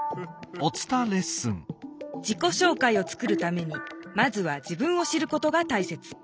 自己紹介を作るためにまずは自分を知ることが大切。